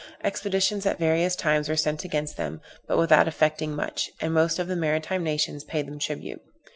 Expeditions at various times were sent against them, but without effecting much; and most of the maritime nations paid them tribute.